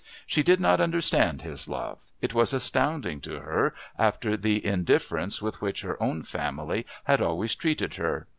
She did not understand his love, it was astounding to her after the indifference with which her own family had always treated her.